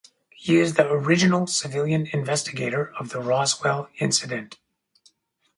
He is the original civilian investigator of the Roswell incident.